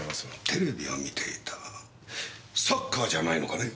テレビを観ていたサッカーじゃないのかね？